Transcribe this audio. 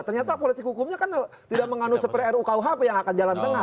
ternyata politik hukumnya kan tidak menganut seperti rukuhp yang akan jalan tengah